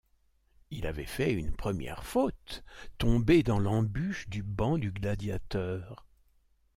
Il avait fait une première faute: tomber dans l’embûche du banc du Gladiateur.